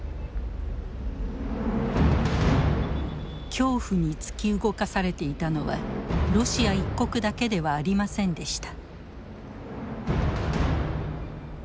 恐怖に突き動かされていたのはロシア一国だけではありませんでした。